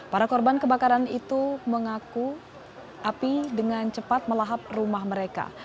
para korban kebakaran itu mengaku api dengan cepat melahap rumah mereka